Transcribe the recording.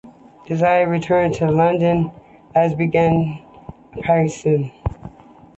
Disraeli returned to London and began preparations.